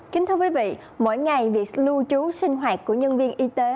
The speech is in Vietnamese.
kính thưa quý vị mỗi ngày việc lưu trú sinh hoạt của nhân viên y tế